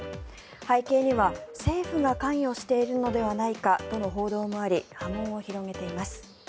背景には、政府が関与しているのではないかとの報道もあり波紋を広げています。